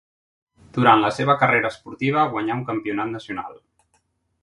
Durant la seva carrera esportiva guanyà un campionat nacional.